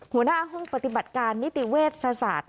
หัวหน้าห้องปฏิบัติการนิติเวชศาสตร์